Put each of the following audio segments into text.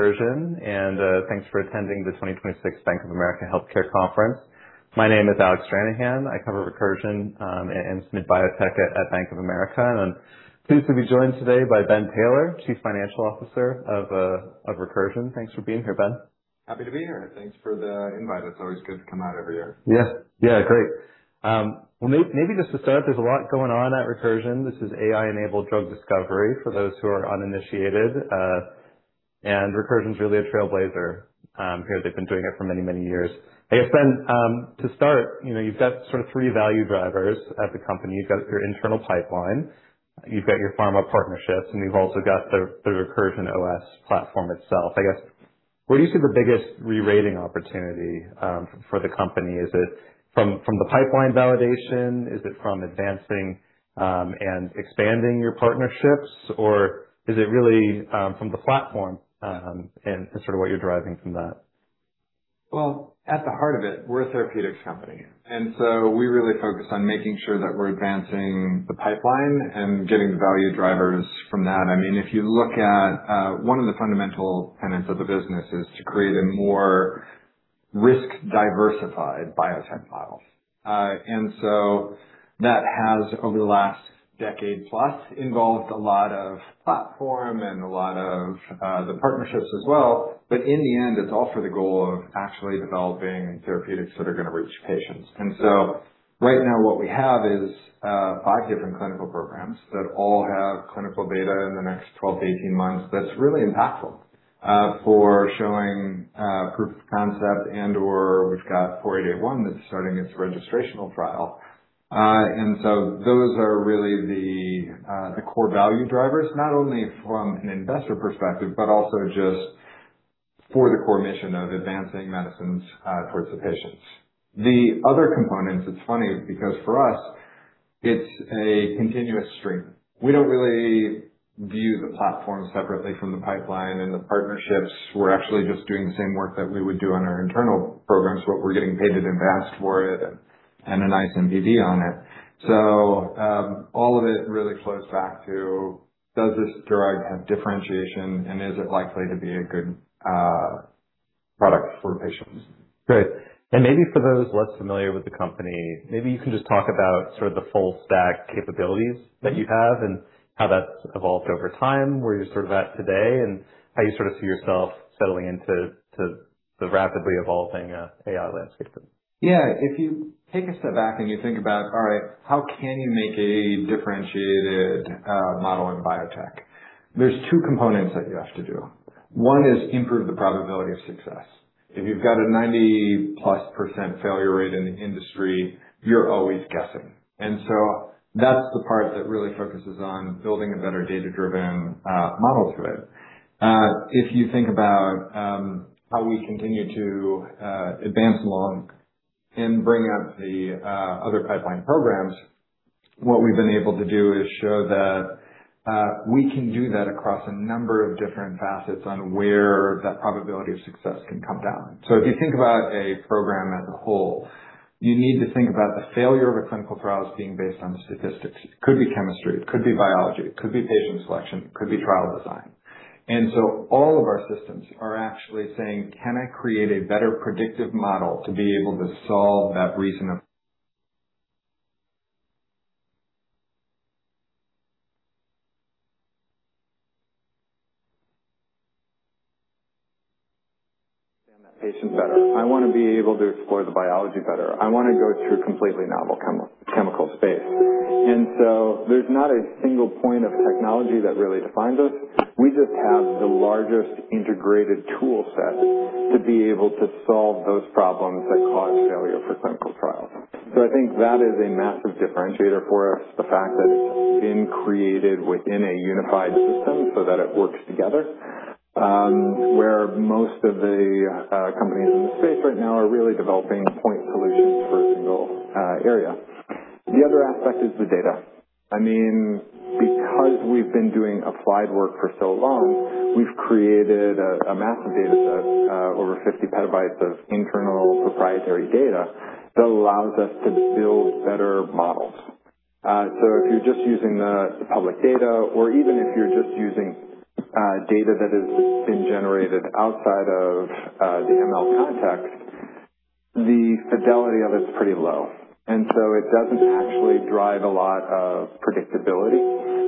Recursion, thanks for attending the 2026 Bank of America Global Healthcare Conference. My name is Alec Stranahan. I cover Recursion, and SMID biotech at Bank of America. I'm pleased to be joined today by Ben Taylor, Chief Financial Officer of Recursion. Thanks for being here, Ben. Happy to be here. Thanks for the invite. It's always good to come out every year. Yeah. Yeah. Great. Well, maybe just to start, there's a lot going on at Recursion. This is AI-enabled drug discovery for those who are uninitiated. Recursion is really a trailblazer here. They've been doing it for many, many years. I guess, Ben, to start, you know, you've got sort of three value drivers at the company. You've got your internal pipeline, you've got your pharma partnerships, and you've also got the Recursion OS platform itself. I guess, where do you see the biggest re-rating opportunity for the company? Is it from the pipeline validation? Is it from advancing and expanding your partnerships, or is it really from the platform and sort of what you're deriving from that? Well, at the heart of it, we're a therapeutics company. We really focus on making sure that we're advancing the pipeline and getting the value drivers from that. I mean, if you look at 1 of the fundamental tenets of the business is to create a more risk-diversified biotech model. That has, over the last decade plus, involved a lot of platform and a lot of the partnerships as well. In the end, it's all for the goal of actually developing therapeutics that are gonna reach patients. Right now what we have is five different clinical programs that all have clinical data in the next 12-18 months that's really impactful for showing proof of concept and/or we've got four, one that's starting its registrational trial. Those are really the core value drivers, not only from an investor perspective, but also just for the core mission of advancing medicines towards the patients. The other components, it's funny because for us it's a continuous stream. We don't really view the platform separately from the pipeline and the partnerships. We're actually just doing the same work that we would do on our internal programs, but we're getting paid an advance for it and a nice NPV on it. All of it really flows back to, does this drug have differentiation and is it likely to be a good product for patients? Great. Maybe for those less familiar with the company, maybe you can just talk about sort of the full stack capabilities that you have and how that's evolved over time, where you're sort of at today and how you sort of see yourself settling to the rapidly evolving AI landscape. Yeah. If you take a step back and you think about, all right, how can you make a differentiated model in biotech, there's two components that you have to do. One is improve the probability of success. If you've got a 90% plus failure rate in the industry, you're always guessing. That's the part that really focuses on building a better data-driven model to it. If you think about how we continue to advance along and bring up the other pipeline programs, what we've been able to do is show that we can do that across a number of different facets on where that probability of success can come down. If you think about a program as a whole, you need to think about the failure of a clinical trials being based on the statistics. It could be chemistry, it could be biology, it could be patient selection, it could be trial design. All of our systems are actually saying, "Can I create a better predictive model to be able to solve that reason of Understand that patient better?" I want to be able to explore the biology better. I want to go through completely novel chemical space. There's not a single point of technology that really defines us. We just have the largest integrated tool set to be able to solve those problems that cause failure for clinical trials. I think that is a massive differentiator for us, the fact that it's been created within a unified system so that it works together, where most of the companies in the space right now are really developing point solutions for a single area. The other aspect is the data. I mean, because we've been doing applied work for so long, we've created a massive data set, over 50 PB of internal proprietary data that allows us to build better models. If you're just using the public data or even if you're just using data that has been generated outside of the ML context, the fidelity of it is pretty low, and so it doesn't actually drive a lot of predictability.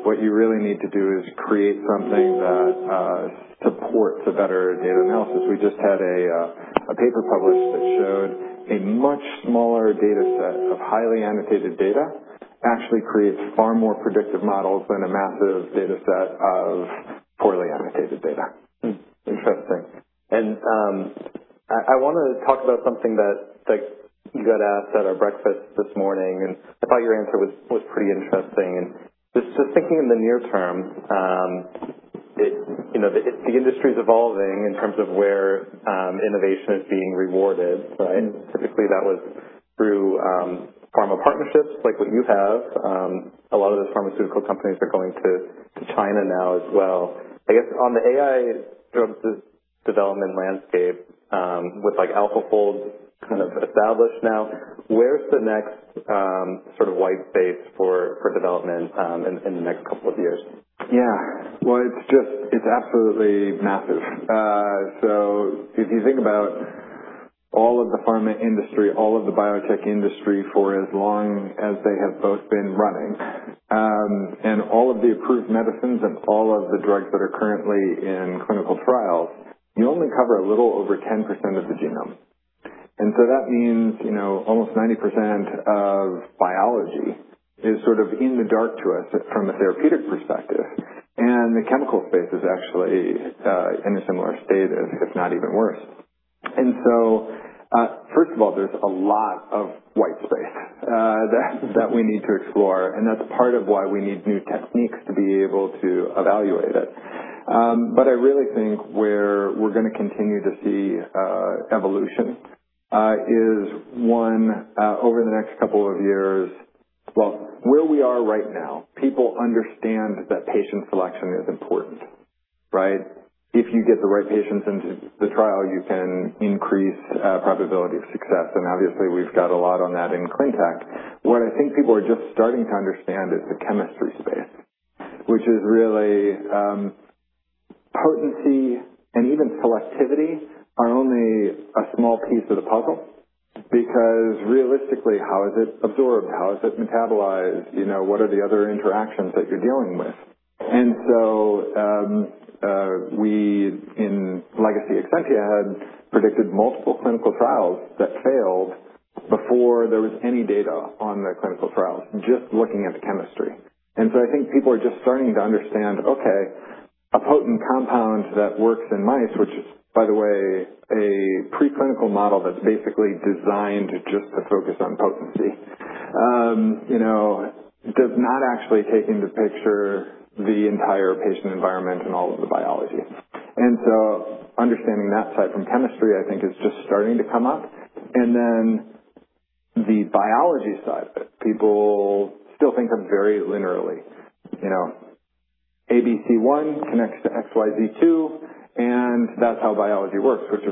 What you really need to do is create something that supports a better data analysis. We just had a paper published that showed a much smaller data set of highly annotated data actually creates far more predictive models than a massive data set of poorly annotated data. Hmm. Interesting. I wanna talk about something that, like, you got asked at our breakfast this morning, and I thought your answer was pretty interesting. Just thinking in the near term, you know, the industry's evolving in terms of where innovation is being rewarded, right? Typically that was through pharma partnerships like what you have. A lot of the pharmaceutical companies are going to China now as well. I guess on the AI drugs, development landscape, with like AlphaFold kind of established now, where's the next sort of wide space for development in the next couple of years? Yeah. Well, it's just, it's absolutely massive. If you think about all of the pharma industry, all of the biotech industry for as long as they have both been running, and all of the approved medicines and all of the drugs that are currently in clinical trials, you only cover a little over 10% of the genome. That means, you know, almost 90% of biology is sort of in the dark to us from a therapeutic perspective. The chemical space is actually in a similar state as, if not even worse. First of all, there's a lot of white space that we need to explore, and that's part of why we need new techniques to be able to evaluate it. I really think where we're gonna continue to see evolution is one, over the next couple years. Well, where we are right now, people understand that patient selection is important, right? If you get the right patients into the trial, you can increase probability of success, and obviously we've got a lot on that in ClinTech. What I think people are just starting to understand is the chemistry space, which is really, potency and even selectivity are only a small piece of the puzzle because realistically, how is it absorbed? How is it metabolized? You know, what are the other interactions that you're dealing with? We in legacy Exscientia had predicted multiple clinical trials that failed before there was any data on the clinical trials, just looking at the chemistry. I think people are just starting to understand, okay, a potent compound that works in mice, which is, by the way, a preclinical model that's basically designed just to focus on potency, you know, does not actually take into picture the entire patient environment and all of the biology. The biology side of it, people still think of very linearly. You know, ABC1 connects to XYZ2, and that's how biology works, which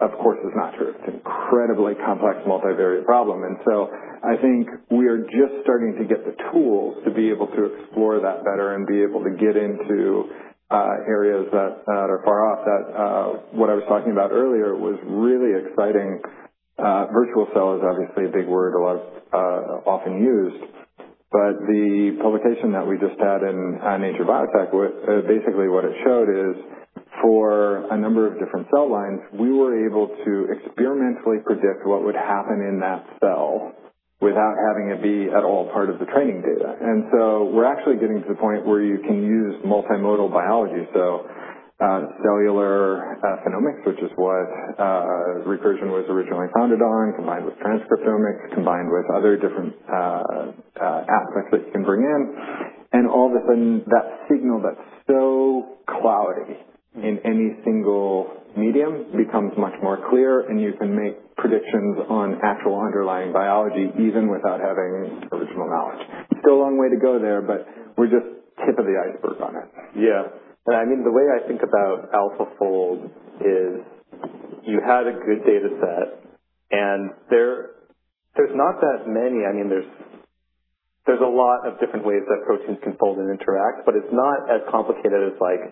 of course, is not true. It's incredibly complex, multivariate problem. I think we are just starting to get the tools to be able to explore that better and be able to get into areas that are far off that what I was talking about earlier was really exciting. Virtual cell is obviously a big word a lot often used, but the publication that we just had in Nature Biotechnology, basically what it showed is for a number of different cell lines, we were able to experimentally predict what would happen in that cell without having it be at all part of the training data. We're actually getting to the point where you can use multimodal biology, so, cellular phenomics, which is what Recursion was originally founded on, combined with transcriptomics, combined with other different aspects that you can bring in. That signal that's so cloudy in any single medium becomes much more clear, and you can make predictions on actual underlying biology even without having original knowledge. Still a long way to go there, but we're just tip of the iceberg on it. Yeah. I mean, the way I think about AlphaFold is you had a good data set and there's not that many I mean, there's a lot of different ways that proteins can fold and interact, but it's not as complicated as like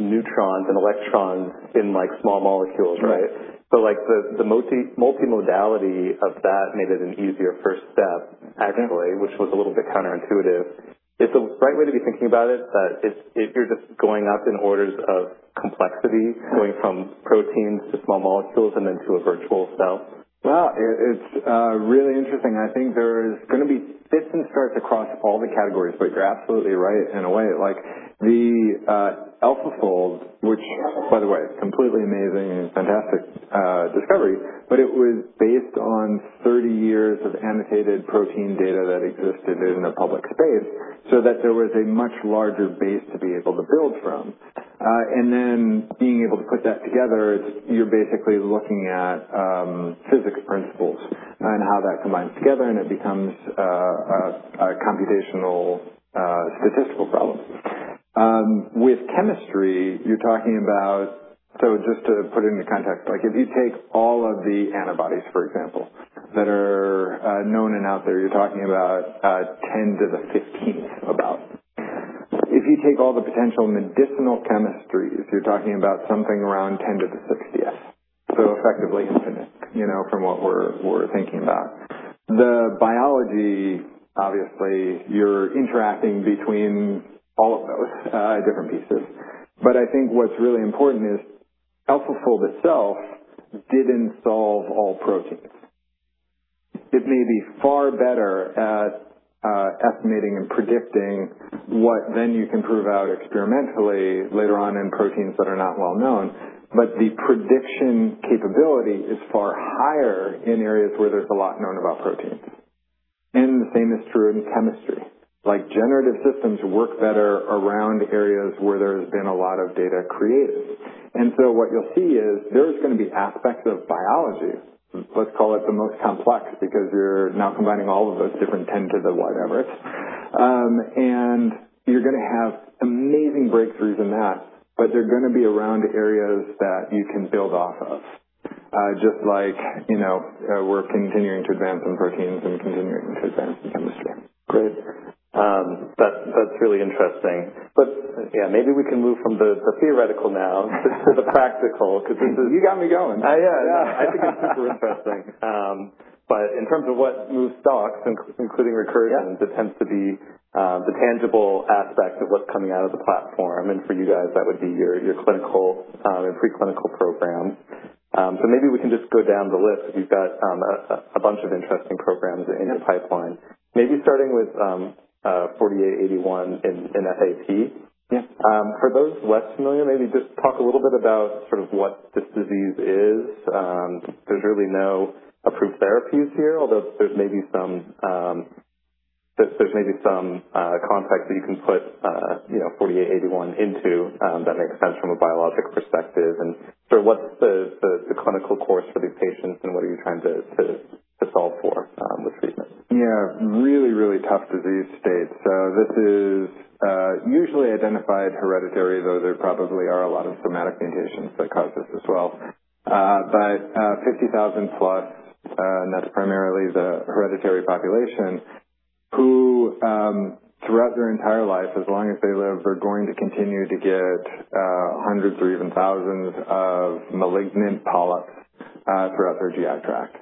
neutrons and electrons in like small molecules, right? Right. Like the multi-modality of that made it an easier first step, actually. Yeah Which was a little bit counterintuitive. Is the right way to be thinking about it that it's, if you're just going up in orders of complexity, going from proteins to small molecules and then to a virtual cell? Well, it's really interesting, and I think there's gonna be different starts across all the categories. You're absolutely right in a way, like the AlphaFold, which by the way is completely amazing and fantastic discovery, but it was based on 30 years of annotated protein data that existed in the public space so that there was a much larger base to be able to build from. Being able to put that together, it's you're basically looking at physics principles and how that combines together, and it becomes a computational statistical problem. With chemistry, just to put it into context, like if you take all of the antibodies, for example, that are known and out there, you're talking about 10 to the 15th about. If you take all the potential medicinal chemistries, you're talking about something around 10 to the 60th, so effectively infinite, you know, from what we're thinking about. The biology, obviously, you're interacting between all of those different pieces. I think what's really important is AlphaFold itself didn't solve all proteins. It may be far better at estimating and predicting what then you can prove out experimentally later on in proteins that are not well known, but the prediction capability is far higher in areas where there's a lot known about proteins. The same is true in chemistry, like generative systems work better around areas where there's been a lot of data created. What you'll see is there's gonna be aspects of biology, let's call it the most complex, because you're now combining all of those different 10 to the whatever it's. You're gonna have amazing breakthroughs in that, but they're gonna be around areas that you can build off of, just like, you know, we're continuing to advance in proteins and continuing to advance in chemistry. Great. That's really interesting. Yeah, maybe we can move from the theoretical now to the practical. You got me going. Yeah, yeah. I think it's super interesting. In terms of what moves stocks, including Recursion. Yeah This tends to be the tangible aspect of what's coming out of the platform, and for you guys, that would be your clinical and preclinical program. Maybe we can just go down the list. You've got a bunch of interesting programs. Yeah In your pipeline. Maybe starting with 4881 in FAP. Yeah. For those less familiar, maybe just talk a little bit about sort of what this disease is. There's really no approved therapies here, although there's maybe some context that you can put, you know, 4881 into that makes sense from a biologic perspective. What's the clinical course for these patients and what are you trying to solve for with treatment? Yeah, really tough disease state. This is usually identified hereditary, though there probably are a lot of somatic mutations that cause this as well. 50,000+, and that's primarily the hereditary population who, throughout their entire life, as long as they live, are going to continue to get hundreds or even thousands of malignant polyps throughout their GI tract.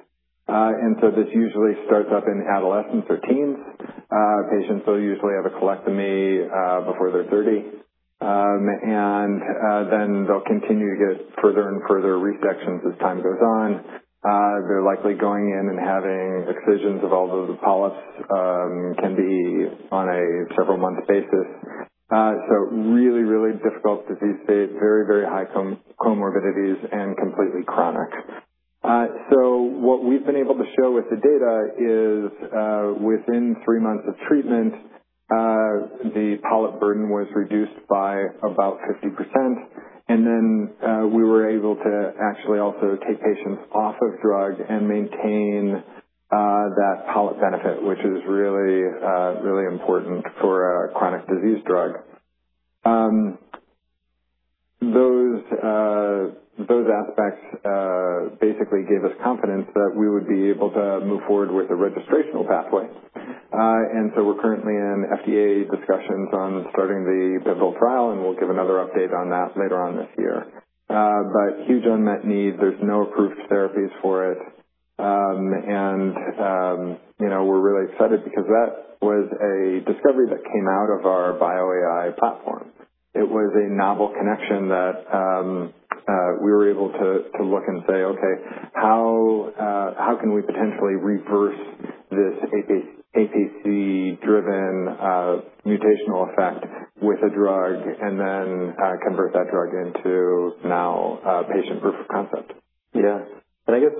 This usually starts up in adolescence or teens. Patients will usually have a colectomy before they're 30. They'll continue to get further resections as time goes on. They're likely going in and having excisions of all of the polyps, can be on a several month basis. Really difficult disease state, very high comorbidities, and completely chronic. What we've been able to show with the data is, within three months of treatment, the polyp burden was reduced by about 50%, and we were able to actually also take patients off of drug and maintain that polyp benefit, which is really important for a chronic disease drug. Those aspects basically gave us confidence that we would be able to move forward with a registrational pathway. We're currently in FDA discussions on starting the pivotal trial, and we'll give another update on that later on this year. Huge unmet needs. There's no approved therapies for it. You know, we're really excited because that was a discovery that came out of our BioAI platform. It was a novel connection that we were able to look and say, "Okay, how can we potentially reverse this APC-driven mutational effect with a drug and then convert that drug into now a patient proof of concept? Yeah. I guess,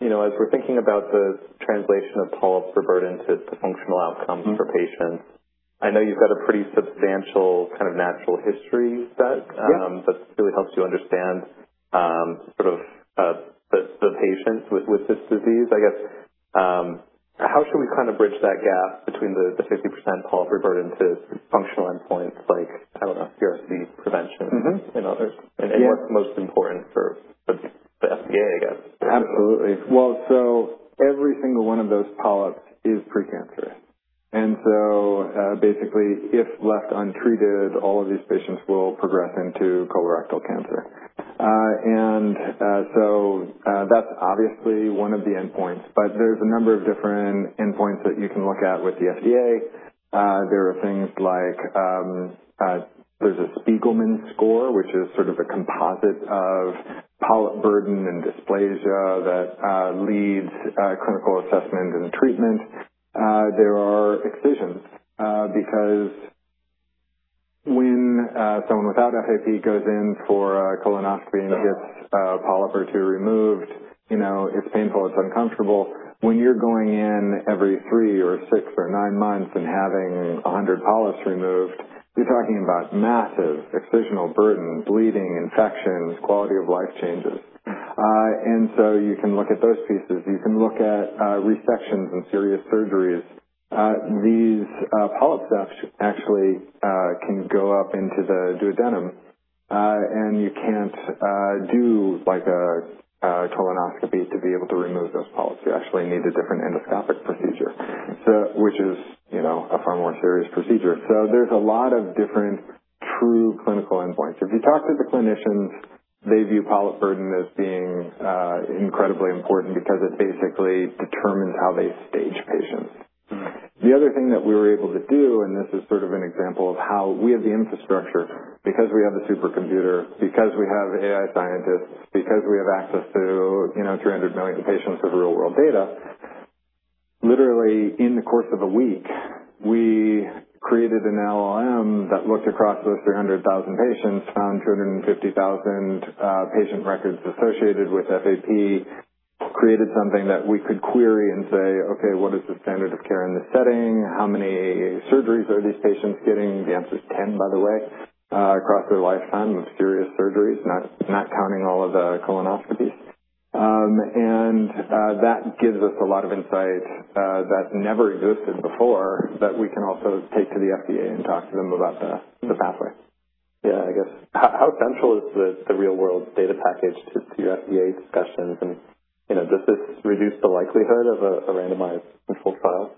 you know, as we're thinking about the translation of polyps reverted to functional outcomes. For patients, I know you've got a pretty substantial kind of natural history set. Yeah that really helps you understand, sort of, the patients with this disease. I guess, how should we kind of bridge that gap between the 50% polyp reverted to functional endpoints, like, I don't know, CRC prevention? And other-- And- Yeah What's most important for the FDA, I guess? Absolutely. Well, every single one of those polyps is pre-cancerous. Basically, if left untreated, all of these patients will progress into colorectal cancer. That's obviously one of the endpoints, but there's a number of different endpoints that you can look at with the FDA. There are things like, there's a Spigelman score, which is sort of a composite of polyp burden and dysplasia that leads clinical assessment and treatment. There are excisions, because when someone without FAP goes in for a colonoscopy and gets a polyp or two removed, you know, it's painful, it's uncomfortable. When you're going in every three or six or nine months and having a 100 polyps removed, you're talking about massive excisional burden, bleeding, infections, quality of life changes. You can look at those pieces. You can look at resections and serious surgeries. These polyps actually can go up into the duodenum, and you can't do like a colonoscopy to be able to remove those polyps. You actually need a different endoscopic procedure. Which is, you know, a far more serious procedure. There's a lot of different true clinical endpoints. If you talk to the clinicians, they view polyp burden as being incredibly important because it basically determines how they stage patients. The other thing that we were able to do, and this is sort of an example of how we have the infrastructure, because we have the supercomputer, because we have AI scientists, because we have access to, you know, 300 million patients of real-world data, literally in the course of a week, we created an LLM that looked across those 300,000 patients, found 250,000 patient records associated with FAP, created something that we could query and say, "Okay, what is the standard of care in this setting? How many surgeries are these patients getting. The answer is 10, by the way, across their lifetime of serious surgeries, not counting all of the colonoscopies. That gives us a lot of insight, that never existed before that we can also take to the FDA and talk to them about the pathway. Yeah, I guess how central is the real world data package to FDA discussions? You know, does this reduce the likelihood of a randomized controlled trial?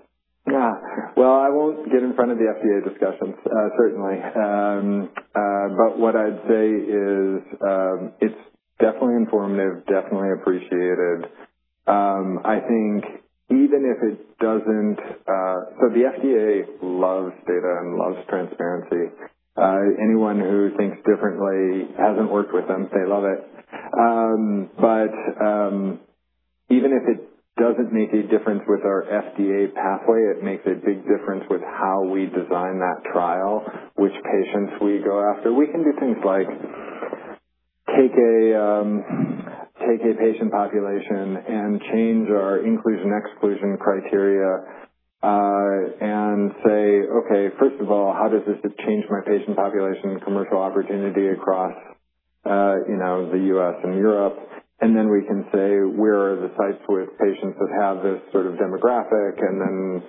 Yeah. I won't get in front of the FDA discussions, certainly. What I'd say is, it's definitely informative, definitely appreciated. I think even if it doesn't The FDA loves data and loves transparency. Anyone who thinks differently hasn't worked with them. They love it. Even if it doesn't make a difference with our FDA pathway, it makes a big difference with how we design that trial, which patients we go after. We can do things like take a patient population and change our inclusion/exclusion criteria and say, "Okay, first of all, how does this change my patient population commercial opportunity across, you know, the U.S. and Europe?" Then we can say, "Where are the sites with patients that have this sort of demographic?" Then,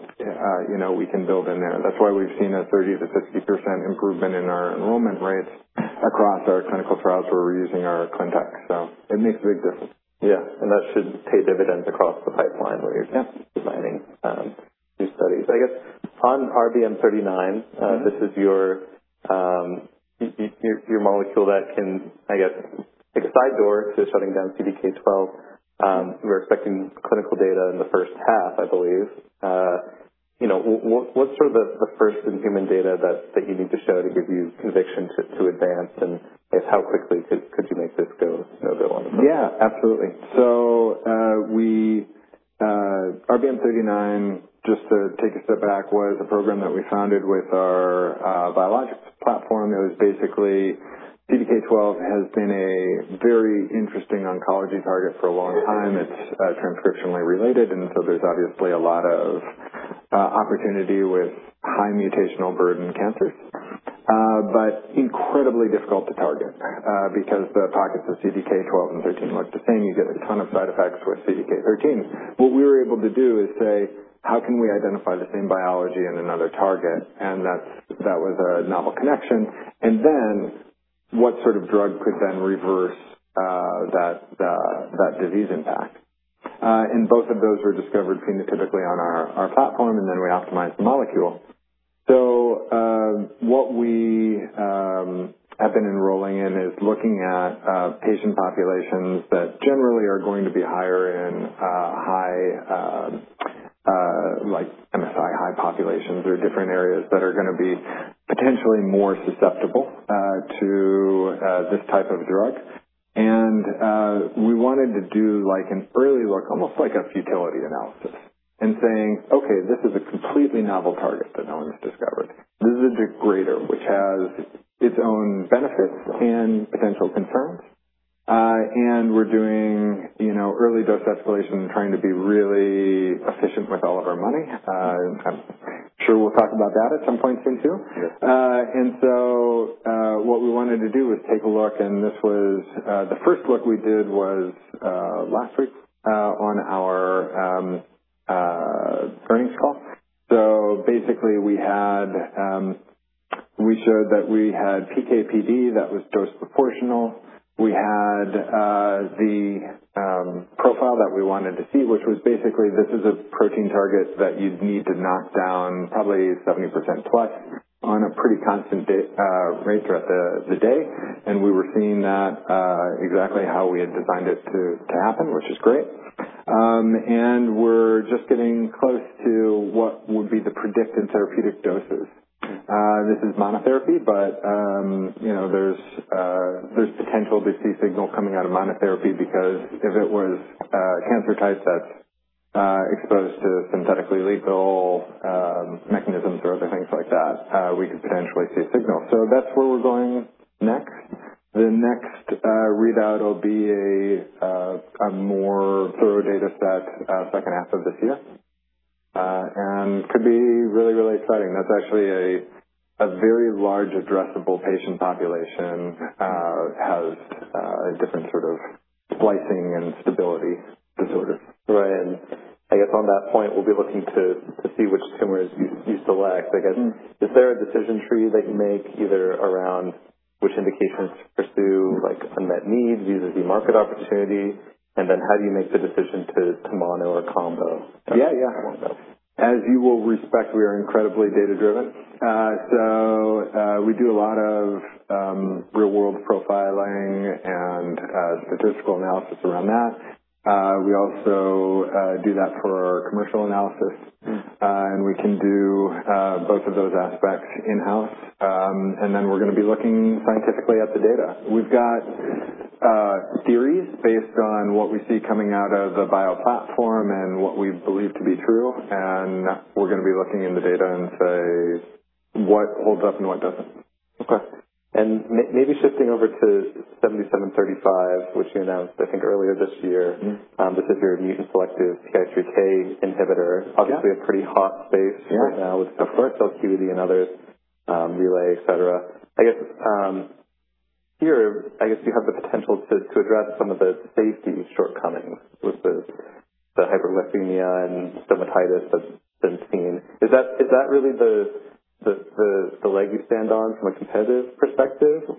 you know, we can build in there. That's why we've seen a 30%-50% improvement in our enrollment rates across our clinical trials where we're using our ClinTech. It makes a big difference. Yeah. That should pay dividends across the pipeline. Yeah. Where you're designing these studies. I guess on RBM39. This is your molecule that can, I guess, take a side door to shutting down CDK12. We're expecting clinical data in the first half, I believe. You know, what's sort of the first in human data that you need to show to give you conviction to advance and, I guess, how quickly could you make this go, you know, on the market? Absolutely. We RBM39, just to take a step back, was a program that we founded with our biologics platform that was basically CDK12 has been a very interesting oncology target for a long time. It's transcriptionally related, and so there's obviously a lot of opportunity with high mutational burden cancers. Incredibly difficult to target because the pockets of CDK12 and CDK13 look the same. You get a ton of side effects with CDK13. What we were able to do is say, "How can we identify the same biology in another target?" That was a novel connection. What sort of drug could then reverse that disease impact? Both of those were discovered phenotypically on our platform, and then we optimized the molecule. What we have been enrolling in is looking at patient populations that generally are going to be higher in high like MSI-H populations or different areas that are gonna be potentially more susceptible to this type of drug. We wanted to do, like, an early look, almost like a futility analysis, and saying, "Okay, this is a completely novel target that no one's discovered." This is a degrader, which has its own benefits and potential concerns. We're doing, you know, early dose escalation, trying to be really efficient with all of our money. I'm sure we'll talk about that at some point soon too. Yeah. What we wanted to do was take a look, and this was the first look we did was last week on our earnings call. We had, we showed that we had PK/PD that was dose proportional. We had the profile that we wanted to see, which was basically this is a protein target that you'd need to knock down probably 70%+ on a pretty constant rate throughout the day. We were seeing that exactly how we had designed it to happen, which is great. We're just getting close to what would be the predicted therapeutic doses. This is monotherapy, but, you know, there's potential to see signal coming out of monotherapy because if it was a cancer type that's exposed to synthetically lethal mechanisms or other things like that, we could potentially see a signal. That's where we're going next. The next readout will be a more thorough data set second half of this year and could be really, really exciting. That's actually a very large addressable patient population has different sort of splicing and stability disorders. Right. I guess on that point, we'll be looking to see which tumors you select. Is there a decision tree that you make either around which indications to pursue, like unmet needs versus the market opportunity? How do you make the decision to mono or combo? Yeah. Yeah. As you will respect, we are incredibly data-driven. We do a lot of real-world profiling and statistical analysis around that. We also do that for our commercial analysis. We can do both of those aspects in-house. We're gonna be looking scientifically at the data. We've got theories based on what we see coming out of the bio platform and what we believe to be true, and we're gonna be looking in the data and say what holds up and what doesn't. Okay. Maybe shifting over to 7735, which you announced I think earlier this year. This is your mutant-selective PI3K inhibitor. Yeah. Obviously a pretty hot space. Yeah. Right now with Of course. and others. Relay, et cetera. I guess, here, I guess you have the potential to address some of the safety shortcomings with the hyperglycemia and dermatitis that's been seen. Is that really the leg you stand on from a competitive perspective?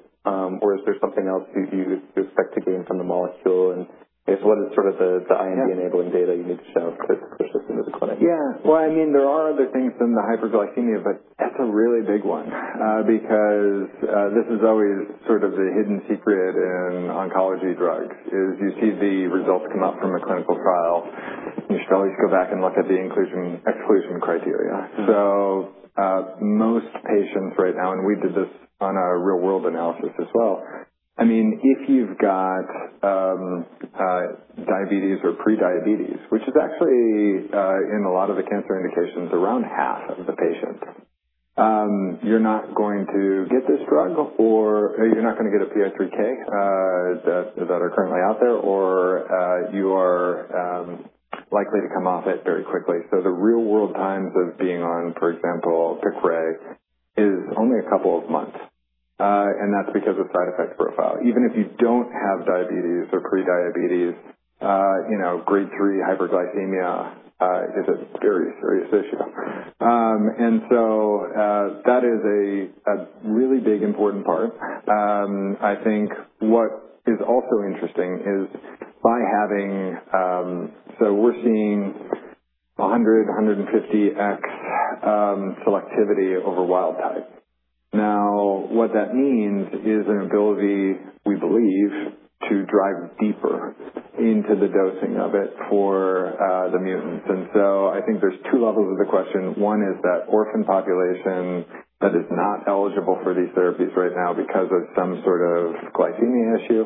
Is there something else you expect to gain from the molecule? If what is sort of the IND-enabling data you need to show to push this into the clinic? Well, I mean, there are other things than the hyperglycemia, but that's a really big one, because this is always sort of the hidden secret in oncology drugs, is you see the results come up from a clinical trial, you should always go back and look at the inclusion, exclusion criteria. Most patients right now, and we did this on our real-world analysis as well, I mean, if you've got diabetes or pre-diabetes, which is actually in a lot of the cancer indications, around half of the patients, you're not going to get this drug or you're not going to get a PI3K that are currently out there, or you are likely to come off it very quickly. The real-world times of being on, for example, Piqray, is only a couple of months. And that's because of side effects profile. Even if you don't have diabetes or pre-diabetes, you know, Grade 3 hyperglycemia is a serious issue. That is a really big important part. I think what is also interesting. We're seeing 150x selectivity over wild type. What that means is an ability, we believe, to drive deeper into the dosing of it for the mutants. I think there's two levels of the question. One is that orphan population that is not eligible for these therapies right now because of some sort of glycemia issue.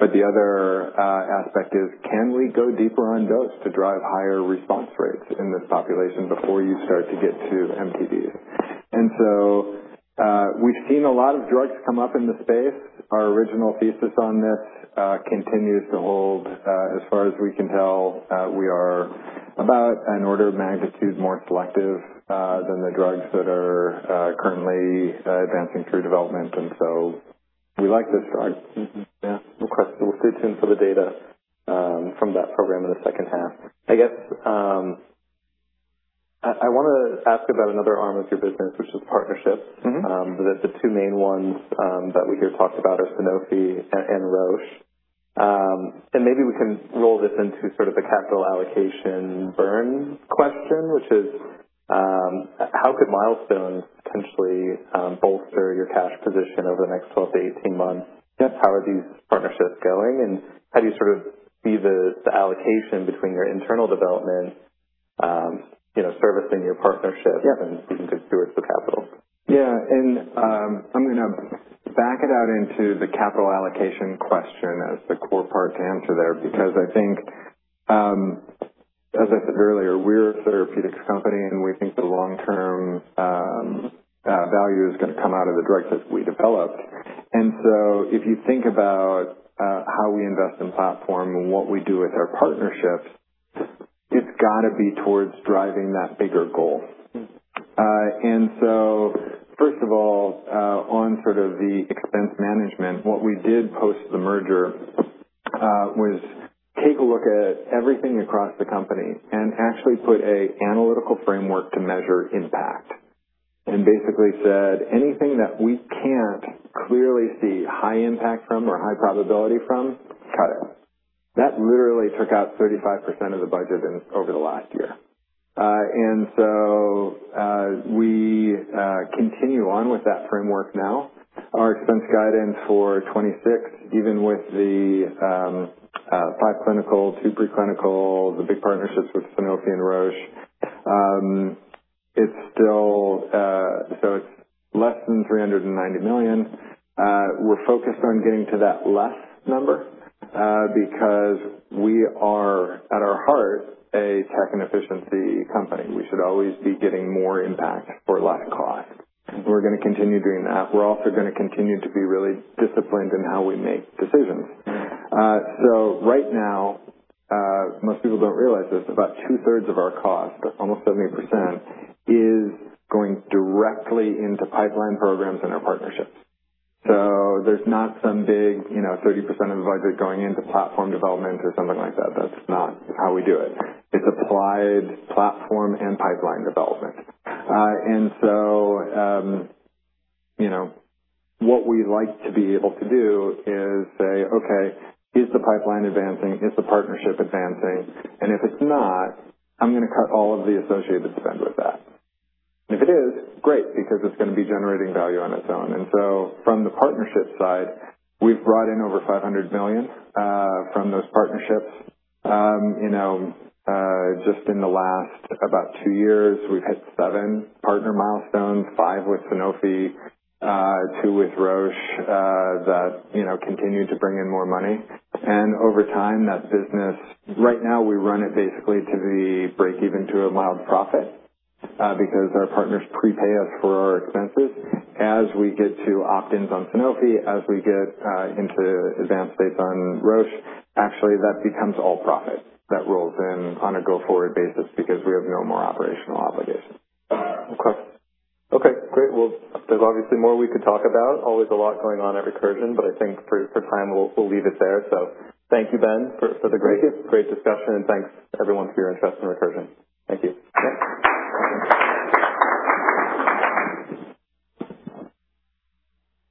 The other aspect is, can we go deeper on dose to drive higher response rates in this population before you start to get to MTDs? We've seen a lot of drugs come up in the space. Our original thesis on this continues to hold. As far as we can tell, we are about an order of magnitude more selective than the drugs that are currently advancing through development. We like this drug. Yeah. No question. We'll stay tuned for the data from that program in the second half. I guess I wanna ask about another arm of your business, which is partnerships. The two main ones that we hear talked about are Sanofi and Roche. Maybe we can roll this into sort of a capital allocation burn question, which is, how could milestones potentially bolster your cash position over the next 12-18 months? Yeah. How are these partnerships going, and how do you sort of see the allocation between your internal development, you know, servicing your partnerships? Yeah. being good stewards of capital? Yeah. I'm gonna back it out into the capital allocation question as the core part to answer there, because I think, as I said earlier, we're a therapeutics company, and we think the long-term value is gonna come out of the drugs that we develop. If you think about how we invest in platform and what we do with our partnerships, it's gotta be towards driving that bigger goal. First of all, on sort of the expense management, what we did post the merger was take a look at everything across the company and actually put a analytical framework to measure impact, and basically said, anything that we can't clearly see high impact from or high probability from, cut it. That literally took out 35% of the budget in, over the last year. We continue on with that framework now. Our expense guidance for 2026, even with the five clinical, two preclinical, the big partnerships with Sanofi and Roche, it's still so it's less than $390 million. We're focused on getting to that less number because we are, at our heart, a tech and efficiency company. We should always be getting more impact for less cost. We're gonna continue doing that. We're also gonna continue to be really disciplined in how we make decisions. Right now, most people don't realize this, about two-thirds of our cost, almost 70%, is going directly into pipeline programs and our partnerships. There's not some big, you know, 30% of the budget going into platform development or something like that. That's not how we do it. It's applied platform and pipeline development. You know, what we like to be able to do is say, "Okay, is the pipeline advancing? Is the partnership advancing? And if it's not, I'm gonna cut all of the associated spend with that." If it is, great, because it's gonna be generating value on its own. From the partnership side, we've brought in over $500 million from those partnerships. You know, just in the last about two years, we've had seven partner milestones, five with Sanofi, two with Roche, that, you know, continue to bring in more money. Over time, that business right now we run it basically to the break-even to a mild profit, because our partners prepay us for our expenses. As we get to opt-ins on Sanofi, as we get into advanced states on Roche, actually, that becomes all profit. That rolls in on a go-forward basis because we have no more operational obligations. Okay. Okay, great. There's obviously more we could talk about. Always a lot going on at Recursion, I think for time, we'll leave it there. Thank you, Ben, for the great- Thank you. Great discussion, and thanks everyone for your interest in Recursion. Thank you. Thanks.